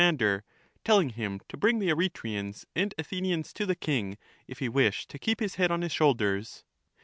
mander, telling him to bring the Eretrians and Athenians to handed. the king, if he wished to keep his head on his shoulders.